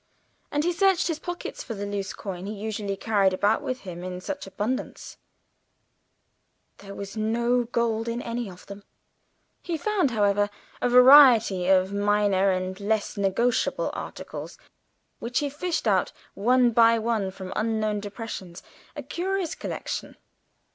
And he searched his pockets for the loose coin he usually carried about with him in such abundance; there was no gold in any of them. He found, however, a variety of minor and less negotiable articles, which he fished out one by one from unknown depths a curious collection.